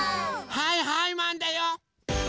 はいはいマンだよ！